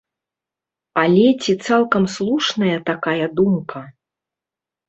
Але ці цалкам слушная такая думка?